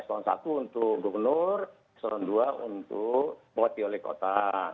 soal satu untuk gubernur soal dua untuk boti oleh kota